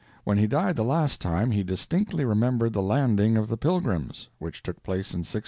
When he died the last time, he distinctly remembered the landing of the Pilgrims, which took place in 1620.